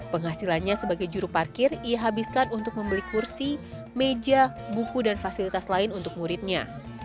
penghasilannya sebagai juru parkir ia habiskan untuk membeli kursi meja buku dan fasilitas lain untuk muridnya